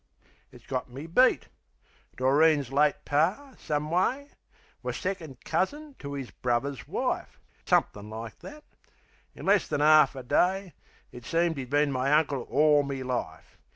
It's got me beat. Doreen's late Par, some way, Was second cousin to 'is bruvver's wife. Somethin' like that. In less than 'arf a day It seemed 'e'd been my uncle orl me life.